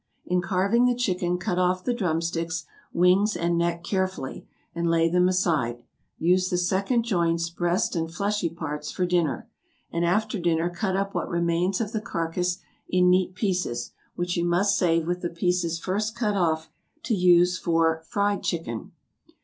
In carving the chicken cut off the drumsticks, wings, and neck carefully, and lay them aside; use the second joints, breast and fleshy parts, for dinner; and after dinner cut up what remains of the carcass in neat pieces, which you must save with the pieces first cut off, to use for FRIED CHICKEN.